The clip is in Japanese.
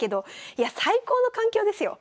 いや最高の環境ですよ。